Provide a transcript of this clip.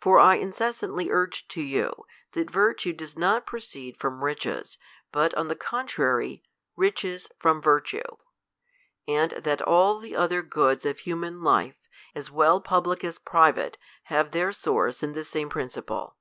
For I inces » santly urge to you, that virtue does not proceed frofn riches, but on the contrary, riches from virtue ; and that all the other goods of human life, os well })ublic as private, have their source in the same principle.